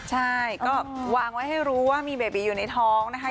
ใช่ก็วางไว้ให้รู้ว่ามีเบบีอยู่ในท้องนะคะ